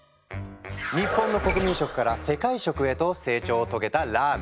日本の国民食から世界食へと成長を遂げたラーメン。